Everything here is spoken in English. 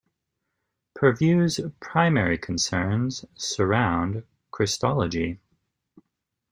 Purves' primary concerns surround Christology.